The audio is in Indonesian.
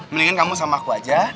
mendingan kamu sama aku aja